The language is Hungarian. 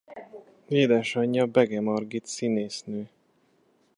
Édesanyja Bege Margit színésznő.